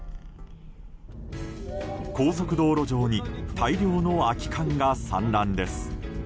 高速道路上に大量の空き缶が散乱です。